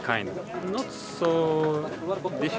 kondisi ini sangat baik